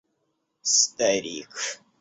старик